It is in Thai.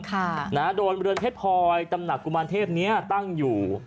โดนเมื่อเรือนเพชรพลอยตำหนักกุมารเทพฯตั้งอยู่